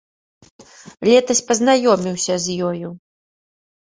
Летась пазнаёміўся з ёю.